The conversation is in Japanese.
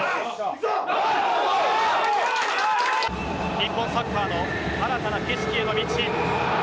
日本サッカーの新たな景色への道。